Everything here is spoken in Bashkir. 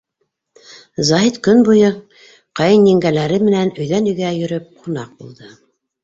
Заһит көн буйы ҡәйенйеңгәләре менән өйҙән-өйгә йөрөп ҡунаҡ булды.